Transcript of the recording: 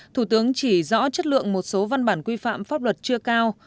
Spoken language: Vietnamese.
thủ tướng chỉ rõ chất lượng một số văn bản quy phạm pháp luật chưa cao